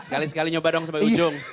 sekali sekali nyoba dong sampai ujung